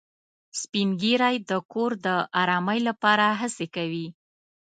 سپین ږیری د کور د ارامۍ لپاره هڅې کوي